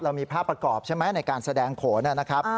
มีภาพประกอบใช่ไหมในการแสดงโขนนะครับ